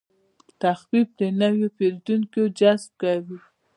تخفیف د نوي پیرودونکو جذب کوي.